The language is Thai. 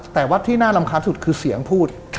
แต่ว่าที่น่ารำคาญสุดคือเสียงพูด